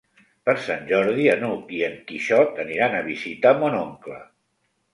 Per Sant Jordi n'Hug i en Quixot aniran a visitar mon oncle.